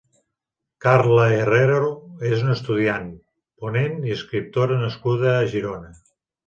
Carla Herrero és una estudiant, ponent i escriptora nascuda a Girona.